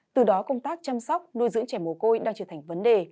từ đó công tác chăm sóc nuôi dưỡng trẻ mồ côi đang trở thành vấn đề